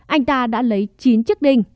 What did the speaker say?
anh ta đã lấy chín chức đinh